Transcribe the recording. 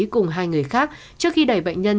cùng hai người khác trước khi đẩy bệnh nhân